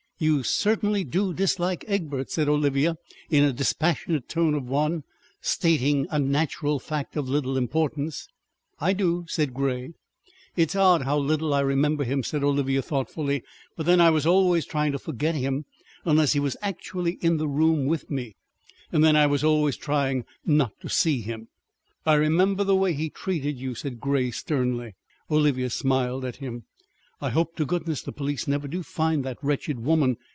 "You certainly do dislike Egbert," said Olivia, in a dispassionate tone of one stating a natural fact of little importance. "I do," said Grey. "It's odd how little I remember him," said Olivia thoughtfully. "But then I was always trying to forget him unless he was actually in the room with me. And then I was always trying not to see him." "I remember the way he treated you," said Grey sternly. Olivia smiled at him. "I hope to goodness the police never do find that wretched woman!"